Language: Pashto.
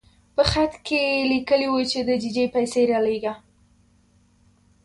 په خط کې لیکلي وو چې د ججې پیسې رالېږه.